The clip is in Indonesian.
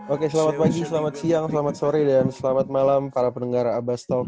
oke selamat pagi selamat siang selamat sore dan selamat malam para penenggara abastol